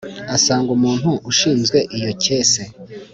asanga umuntu ushinzwe iyo kese